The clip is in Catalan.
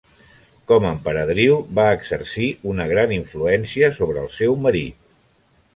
Com a emperadriu, va exercir una gran influència sobre el seu marit.